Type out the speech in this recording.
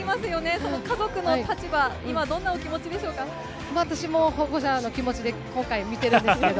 その家族の立場、私も保護者の気持ちで今回、見てるんですけど。